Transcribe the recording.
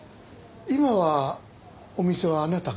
今はお店はあなたが？